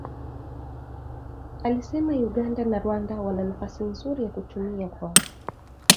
alisema Uganda na Rwanda wana nafasi nzuri ya kutumia kwa